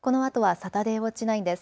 サタデーウオッチ９です。